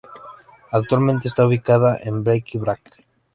Actualmente está ubicada en Bnei Brak.